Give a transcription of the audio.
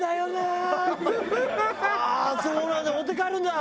「ああそうなんだ。